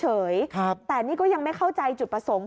เปิดดูมันเป็นโรงเปล่าเฉยแต่นี่ก็ยังไม่เข้าใจจุดประสงค์